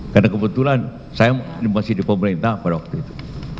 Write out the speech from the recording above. karena kebetulan saya masih di pemerintah pada waktu itu